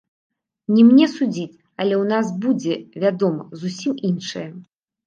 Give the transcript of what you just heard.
Не мне судзіць, але ў нас будзе, вядома, зусім іншае.